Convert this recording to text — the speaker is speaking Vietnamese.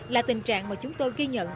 là tình trạng mà chúng tôi ghi nhận